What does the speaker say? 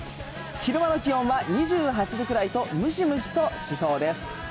昼間の気温は２８度ぐらいと、ムシムシとしそうです。